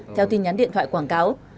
theo tin nhắn điện thoại quảng cáo